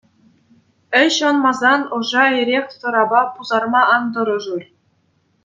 Ӗҫ ӑнмасан ӑша эрех-сӑрапа пусарма ан тӑрӑшӑр.